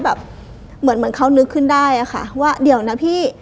แบบเหมือนเหมือนเขานึกขึ้นได้อะค่ะว่าเดี๋ยวนะพี่